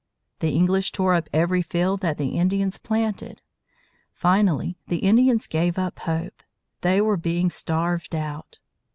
The English tore up every field that the Indians planted. Finally, the Indians gave up hope. They were being starved out.